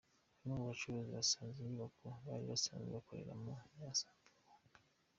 Bamwe mu bacuruzi basanze inyubako bari basanzwe bakoreramo yasakambuwe.